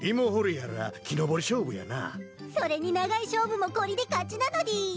それに長い勝負もこりで勝ちなのでぃす。